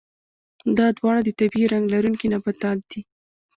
دا دواړه د طبیعي رنګ لرونکي نباتات دي.